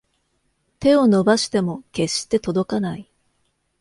手を伸ばしても決して届かない